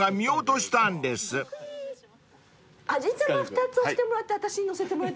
味玉２つ押してもらって私に載せてもらう。